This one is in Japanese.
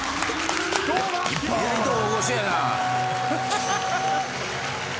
意外と大御所やな。